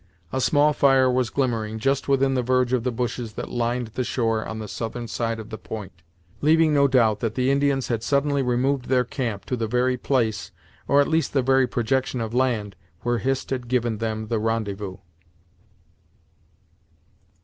A small fire was glimmering just within the verge of the bushes that lined the shore on the southern side of the point leaving no doubt that the Indians had suddenly removed their camp to the very place, or at least the very projection of land where Hist had given them the rendezvous!